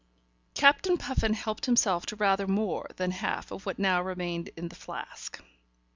Captain Puffin helped himself to rather more than half of what now remained in the flask.